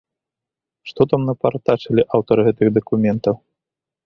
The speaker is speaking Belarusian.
Што там напартачылі аўтары гэтых дакументаў?